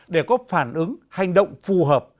để có phản ứng hành động phù hợp